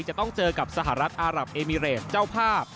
จะต้องเจอกับสหรัฐอารับเอมิเรตเจ้าภาพ